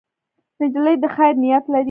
نجلۍ د خیر نیت لري.